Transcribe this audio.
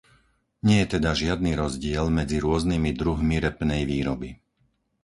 Nie je teda žiadny rozdiel medzi rôznymi druhmi repnej výroby.